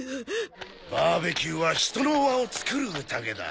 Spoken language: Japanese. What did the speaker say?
バーべキューは人の和を作る宴だ。